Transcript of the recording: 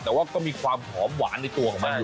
แต่ว่าก็มีความหอมหวานในตัวของมัน